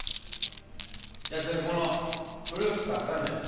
じゃあ次このフルーツたくさんのやつ。